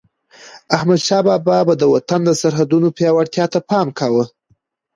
احمدشاه بابا به د وطن د سرحدونو پیاوړتیا ته پام کاوه.